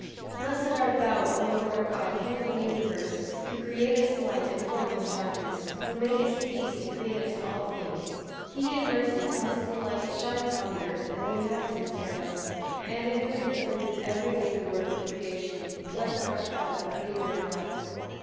"Blessed art thou, O Lord our God, King of the universe, who createst light and formest darkness; who makest peace and createst all things. He in mercy causes the light to shine upon the earth and the inhabitants thereof, and in goodness renews every day the work of creation. Blessed art thou, the Creator of Light."